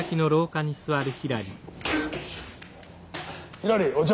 ひらりお茶。